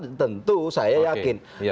asal tentu saya yakin